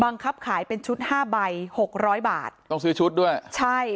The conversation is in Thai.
ขายเป็นชุดห้าใบหกร้อยบาทต้องซื้อชุดด้วยใช่